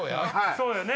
そうよね。